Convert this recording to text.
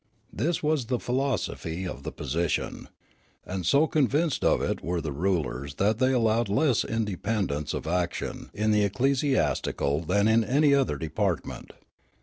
This was the philosophy of the posi tion. And so convinced of it were the rulers that they allowed less independence of action in the ecclesi astical than in any other department.